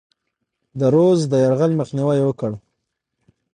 د رودز د یرغل مخنیوی یې وکړ.